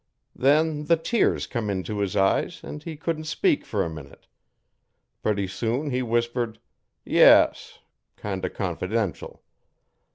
'Then the tears come into his eyes an' he couldn't speak fer a minute. Putty soon he whispered "Yes" kind o' confidential.